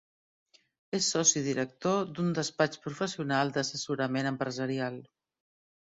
És soci director d'un despatx professional d'assessorament empresarial.